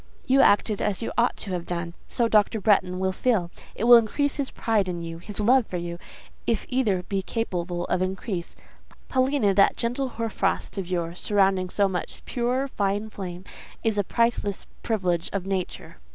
"You acted as you ought to have done; so Dr. Bretton will feel: it will increase his pride in you, his love for you, if either be capable of increase. Paulina, that gentle hoar frost of yours, surrounding so much pure, fine flame, is a priceless privilege of nature."